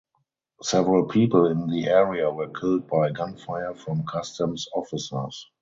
Several people in the area were killed by gunfire from customs officers.